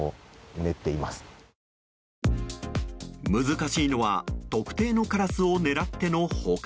難しいのは特定のカラスを狙っての捕獲。